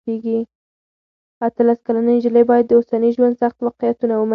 اتلس کلنه نجلۍ باید د اوسني ژوند سخت واقعیتونه ومني.